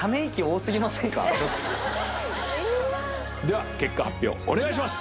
任結果発表お願いします！